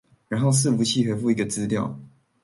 然後伺服器回覆一個資料